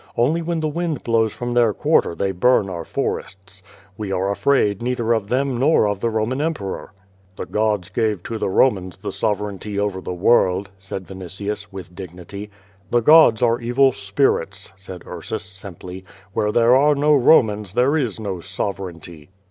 Only when the wind blows from their quarter they burn our forests. We are afraid neither of them nor of the Roman emperor." "The gods gave to the Romans the sovereignty over the world," said Yinitius, with dignity. "The gods are evil spirits," said Tarsus, simply. "Where there are no Romans there is no sovereignty."